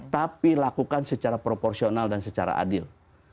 tapi lakukan secara proporsional dan secara adil